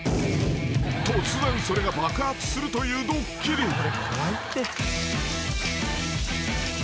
［突然それが爆発するというドッキリ］